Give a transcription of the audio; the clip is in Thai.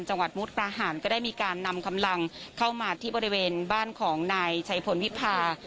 จังหวัดมุกประหารก็ได้มีการนำกำลังเข้ามาที่บริเวณบ้านของนายชัยพลวิพา